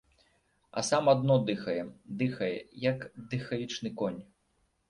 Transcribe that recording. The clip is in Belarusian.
А сам адно дыхае, дыхае, як дыхавічны конь.